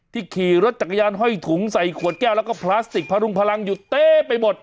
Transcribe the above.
ขี่รถจักรยานห้อยถุงใส่ขวดแก้วแล้วก็พลาสติกพรุงพลังอยู่เต๊ะไปหมด